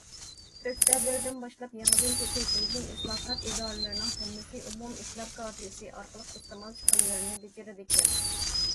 ئۆكتەبىردىن باشلاپ، يېڭىدىن كۆپەيتىلگەن ئىسلاھات ئىدارىلىرىنىڭ ھەممىسى ئومۇم ئىشلار كارتىسى ئارقىلىق ئىستېمال چىقىملىرىنى بېجىرىدىكەن.